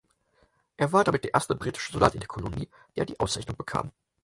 Er war damit der erste britische Soldat in der Kolonie, der die Auszeichnung bekam.